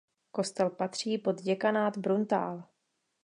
Kostel patří pod Děkanát Bruntál.